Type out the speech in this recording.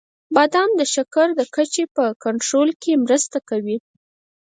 • بادام د شکر د کچې په کنټرول کې مرسته کوي.